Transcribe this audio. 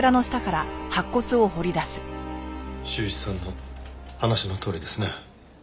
柊一さんの話のとおりですね。